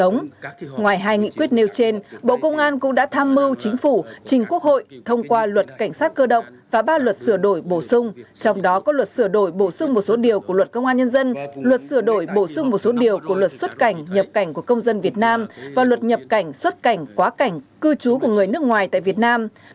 ngoài hai nghị quyết nêu trên bộ công an cũng đã tham mưu chính phủ trình quốc hội thông qua luật cảnh sát cơ động và ba luật sửa đổi bổ sung trong đó có luật sửa đổi bổ sung một số điều của luật công an nhân dân luật sửa đổi bổ sung một số điều của luật xuất cảnh nhập cảnh của công dân việt nam và luật nhập cảnh xuất cảnh quá cảnh cư trú của người nước ngoài tại việt nam